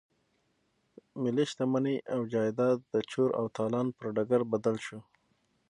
ملي شتمني او جايداد د چور او تالان پر ډګر بدل شو.